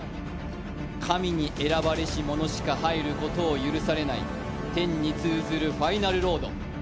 神に選ばれし者しか入ることを許されない天に通ずるファイナルロード。